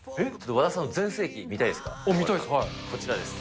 和田さんの全盛期、見たいです。